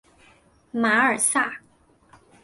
马尔萨。